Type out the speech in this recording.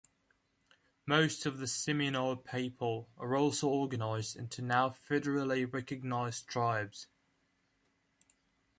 Most of the Seminole people are also organized into now federally recognized tribes.